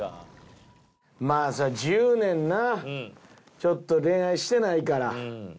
まあそりゃ１０年なちょっと恋愛してないから。